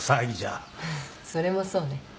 それもそうね。